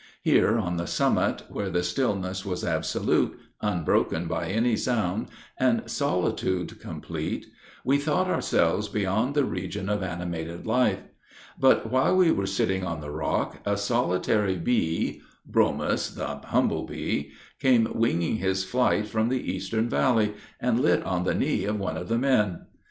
Here, on the summit, where the stillness was absolute, unbroken by any sound, and solitude complete, we thought ourselves beyond the region of animated life; but, while we were sitting on the rock, a solitary bee (bromus, the humble bee) came winging his flight from the eastern valley, and lit on the knee of one of the men.